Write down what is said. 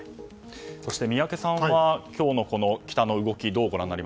そして宮家さんは今日の北の動き